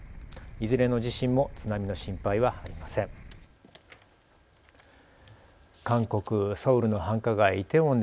いずれの地震も津波の心配はありません。